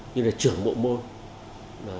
như là trưởng bộ môn